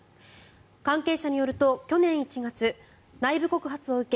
関係者によると、去年１月内部告発を受け